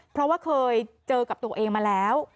เพราะว่าเคยเจอกับตัวเองมาแล้ว